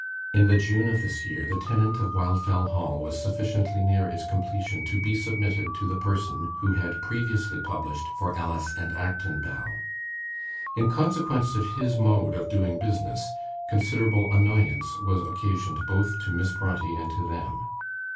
In the June of this year, 'The Tenant of Wildfell Hall' was sufficiently near its completion to be submitted to the person who had previously published for Ellis and Acton Bell. In consequence of his mode of doing business, considerable annoyance was occasioned both to Miss Brontë and to them.